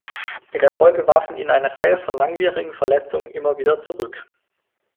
In der Folge warfen ihn eine Reihe von langwierigen Verletzungen immer wieder zurück.